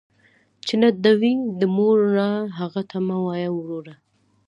ـ چې نه دې وي، د موره هغه ته مه وايه وروره.